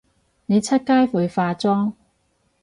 你出街會化妝？